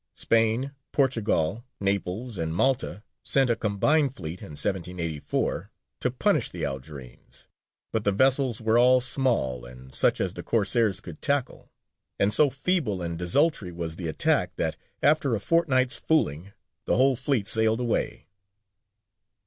Spain, Portugal, Naples, and Malta sent a combined fleet in 1784 to punish the Algerines, but the vessels were all small and such as the Corsairs could tackle, and so feeble and desultory was the attack that, after a fortnight's fooling, the whole fleet sailed away.